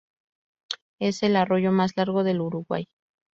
Es el arroyo más largo del Uruguay